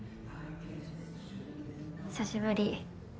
久しぶり。